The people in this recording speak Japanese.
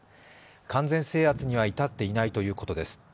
完全制圧には至っていないということです。